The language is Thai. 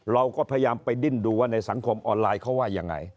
เราก็พยายามไปดิ้นดูว่าในสังคมออนไลน์เขาว่ายังไง